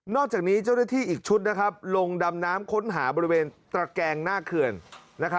จากนี้เจ้าหน้าที่อีกชุดลงดำน้ำค้นหาบริเวณตระแกงหน้าเขื่อน